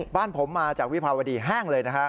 บ้านผมมาจากวิภาวดีแห้งเลยนะฮะ